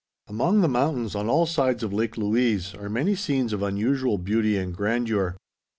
_ Among the mountains on all sides of Lake Louise are many scenes of unusual beauty and grandeur.